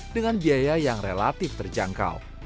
dengan biaya yang relatif terjangkau